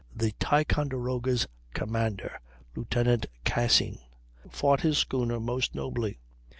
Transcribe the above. The Ticonderoga's commander, Lieut. Cassin, fought his schooner most nobly.